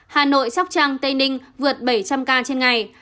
hà nội sóc trăng tây ninh vượt bảy trăm linh ca trên ngày